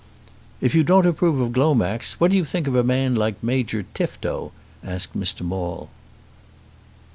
"If you don't approve of Glomax, what do you think of a man like Major Tifto?" asked Mr. Maule.